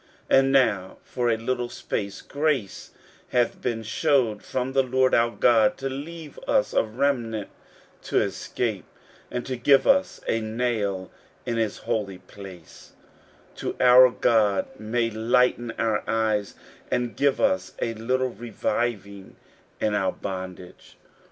15:009:008 And now for a little space grace hath been shewed from the LORD our God, to leave us a remnant to escape, and to give us a nail in his holy place, that our God may lighten our eyes, and give us a little reviving in our bondage.